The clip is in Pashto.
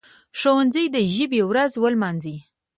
ښوونځي دي د ژبي ورځ ولمانځي.